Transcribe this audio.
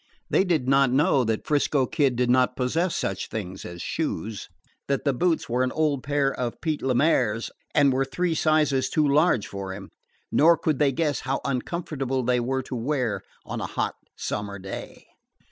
They did not know that 'Frisco Kid did not possess such things as shoes that the boots were an old pair of Pete Le Maire's and were three sizes too large for him. Nor could they guess how uncomfortable they were to wear on a hot summer day.